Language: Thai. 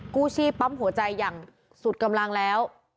กู้ชีพปั๊มหัวใจอย่างสุดกำลังแล้ว